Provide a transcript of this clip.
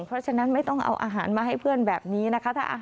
เพราะฉะนั้นไม่ต้องเอาอาหารมาให้เพื่อนแบบนี้นะคะ